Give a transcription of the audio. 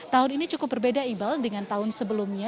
tahun ini cukup berbeda iqbal dengan tahun sebelumnya